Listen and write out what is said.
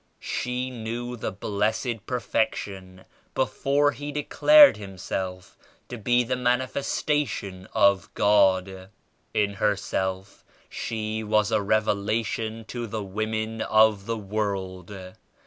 She knew the Blessed Perfection before He declared Himself to be the Manifes tation of God. In herself she was a revelation to the women of the world.